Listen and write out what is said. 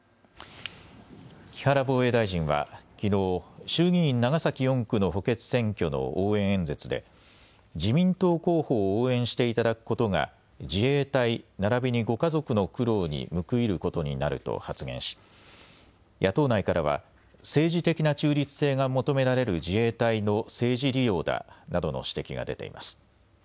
木原防衛大臣はきのう衆議院長崎４区の補欠選挙の応援演説で自民党候補を応援していただくことが自衛隊ならびにご家族の苦労に報いることになると発言し野党内からは政治的な中立性が求められる自衛隊の政治利用だなどの指摘が出ています。